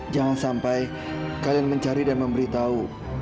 jangan sampai kalian mencari dan memberitahu